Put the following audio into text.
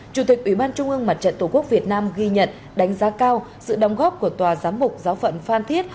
chủ tịch ủy ban trung ương mặt trận tổ quốc việt nam ghi nhận đánh giá cao sự đóng góp của tòa giám mục giáo phận phan thiết